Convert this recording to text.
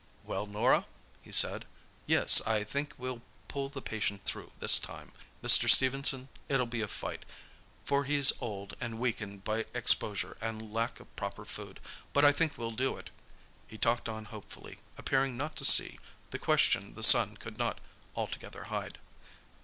"Well, Norah?" he said. "Yes; I think we'll pull the patient through this time, Mr. Stephenson. It'll be a fight, for he's old and weakened by exposure and lack of proper food, but I think we'll do it." He talked on hopefully, appearing not to see the question the son could not altogether hide.